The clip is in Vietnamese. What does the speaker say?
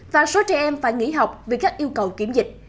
và số trẻ em phải nghỉ học vì các yêu cầu kiểm dịch